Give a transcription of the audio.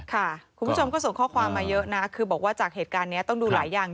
คุณผู้ชมก็ส่งข้อความมาเยอะนะคือบอกว่าจากเหตุการณ์นี้ต้องดูหลายอย่าง